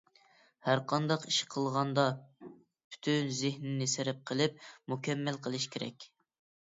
ھەر قانداق ئىش قىلغاندا پۈتۈن زېھنىنى سەرپ قىلىپ، مۇكەممەل قىلىش كېرەك.